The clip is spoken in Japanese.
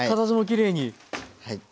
形もきれいに。